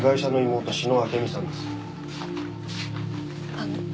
あの。